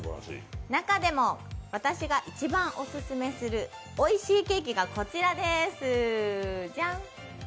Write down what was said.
中でも私が一番オススメするおいしいケーキがこちらです、じゃん！